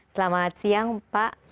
selamat siang pak arief